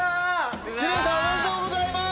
知念さんおめでとうございます！